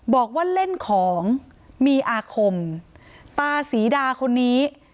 บอกว่าเล่นของมีอาคมตาศรีดาคนนี้